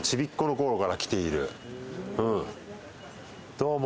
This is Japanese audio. どうも。